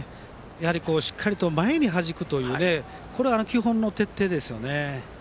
しっかり前にはじくというのが基本の徹底ですよね。